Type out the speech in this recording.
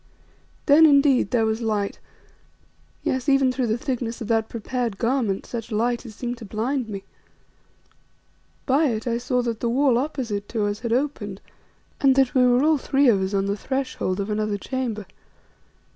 Then, indeed, there was light, yes, even through the thicknesses of that prepared garment, such light as seemed to blind me. By it I saw that the wall opposite to us had opened and that we were all three of us, on the threshold of another chamber.